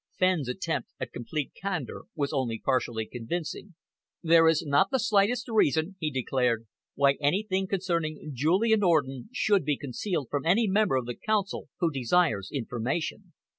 Fenn's attempt at complete candour was only partially convincing. "There is not the slightest reason," he declared, "why anything concerning Julian Orden should be concealed from any member of the Council who desires information.